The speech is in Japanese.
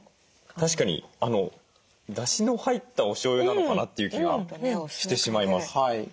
確かにだしの入ったおしょうゆなのかなという気がしてしまいます。